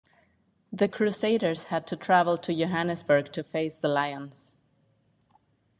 The Crusaders had to travel to Johannesburg to face the Lions.